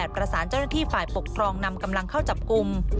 ประสานเจ้าหน้าที่ฝ่ายปกครองนำกำลังเข้าจับกลุ่ม